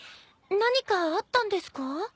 何かあったんですか？